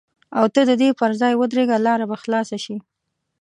او ته د دې پر ځای ودرېږه لاره به خلاصه شي.